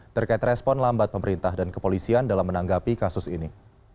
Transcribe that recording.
terkait respon lambat pemerintah dan kepolisian dalam menanggapi kasus ini